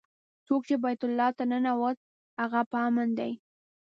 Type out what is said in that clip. څوک چې بیت الله ته ننوت هغه په امن دی.